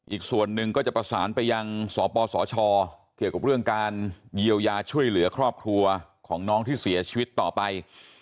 อีกส่วนหนึ่งก็จะประสานไปยังสปสชเกี่ยวกับเรื่องการเยียวยาช่วยเหลือครอบครัวของน้องที่เสียชีวิตต่อไป